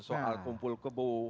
soal kumpul kebu